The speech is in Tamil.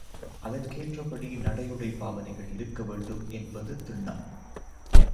அதற்கேற்றபடி நடையுடை பாவனைகள் இருக்க வேண்டும் என்பது திண்ணம்.